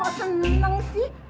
kok seneng sih